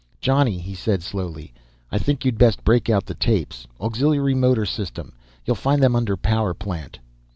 "Johnny," he said slowly, "I think you'd best break out the tapes. Auxiliary motor system; you'll find them under power plant."